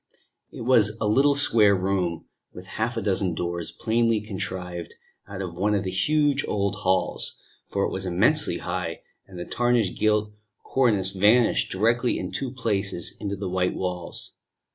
It was a little square room, with half a dozen doors, plainly contrived out of one of the huge old halls, for it was immensely high, and the tarnished gilt cornice vanished directly in two places into the white walls.